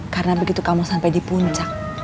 karena begitu kamu sampai di puncak